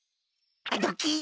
ドキッ！